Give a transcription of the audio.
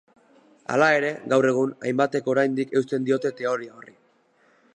Hala ere, gaur egun, hainbatek oraindik eusten diote teoria horri.